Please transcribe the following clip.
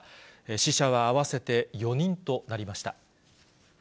死者は合わせて４人となりました。